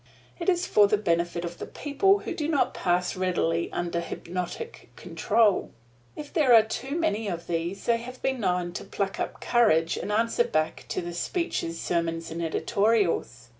It is for the benefit of the people who do not pass readily under hypnotic control. If there are too many of these, they have been known to pluck up courage and answer back to the speeches, sermons and editorials.